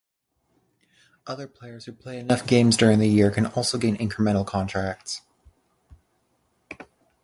Other players who play enough games during the year can also gain Incremental contracts.